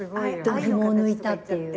度肝を抜いたっていう。